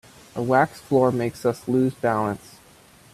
A waxed floor makes us lose balance.